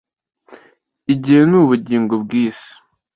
igihe ni ubugingo bwiyi si.